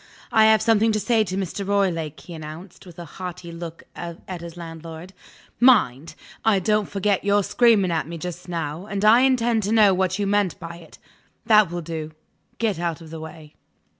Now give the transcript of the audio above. "I have something to say to Mr. Roylake," he announced, with a haughty look at his landlord. "Mind! I don't forget your screaming at me just now, and I intend to know what you meant by it. That will do. Get out of the way."